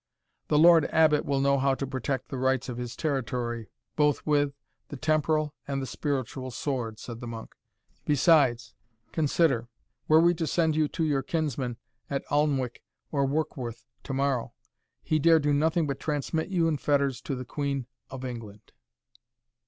"The Lord Abbot will know how to protect the rights of his territory, both with, the temporal and spiritual sword," said the monk. "Besides, consider, were we to send you to your kinsman at Alnwick or Warkworth to morrow, he dare do nothing but transmit you in fetters to the Queen of England.